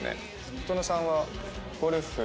琴之さんはゴルフ。